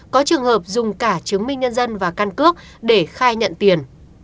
có trường hợp dùng cả chứng minh nhân dân và căn cước để khai nhận tiền